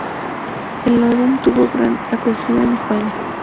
El álbum tuvo gran acogida en España.